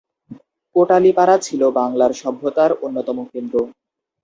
কোটালীপাড়া ছিল বাংলার সভ্যতার অন্যতম কেন্দ্র।